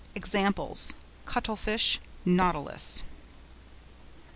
(Examples, Cuttle fish, Nautilus.)